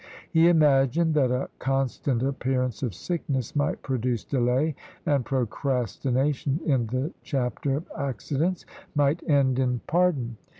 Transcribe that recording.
He imagined that a constant appearance of sickness might produce delay, and procrastination, in the chapter of accidents, might end in pardon.